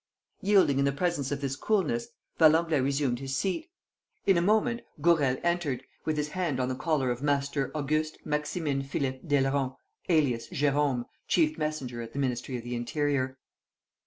..." Yielding in the presence of this coolness, Valenglay resumed his seat. In a moment, Gourel entered, with his hand on the collar of Master Auguste Maximin Philippe Daileron, alias Jérôme, chief messenger at the Ministry of the Interior.